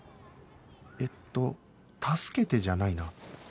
えっと「たすけて」じゃないな